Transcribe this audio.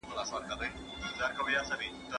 له تیاره محفله ځمه پر خپل سر اور بلومه